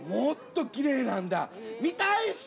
見たい人？